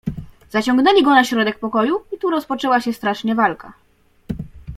"Zaciągnęli go na środek pokoju i tu rozpoczęła się straszna walka."